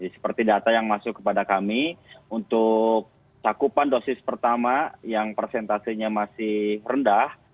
seperti data yang masuk kepada kami untuk cakupan dosis pertama yang persentasenya masih rendah